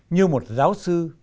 như một giáo sư